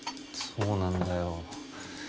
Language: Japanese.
そうなんだよ。